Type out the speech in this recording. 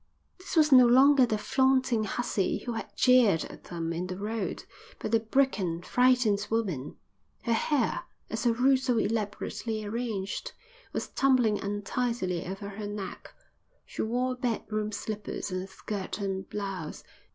This was no longer the flaunting hussy who had jeered at them in the road, but a broken, frightened woman. Her hair, as a rule so elaborately arranged, was tumbling untidily over her neck. She wore bedroom slippers and a skirt and blouse.